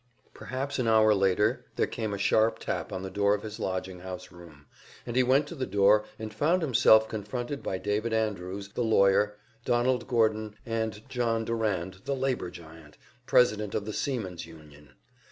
Perhaps an hour later there came a sharp tap on the door of his lodging house room, and he went to the door, and found himself confronted by David Andrews, the lawyer, Donald Gordon, and John Durand, the labor giant, president of the Seamen's Union.